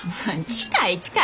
近い近い。